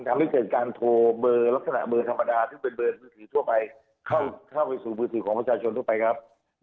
ทำให้เกิดการโทรเบอร์ลักษณะเบอร์ธรรมดาที่เป็นเบอร์มือถือทั่วไปเข้าไปสู่มือถือของประชาชนทั่วไปครับ